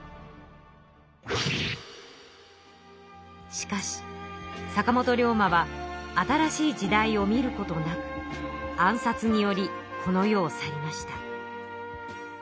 しかし坂本龍馬は新しい時代を見ることなく暗殺によりこの世を去りました。